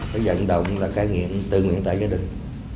cái dạng động là cái nghiện từ nguyện tại gia đình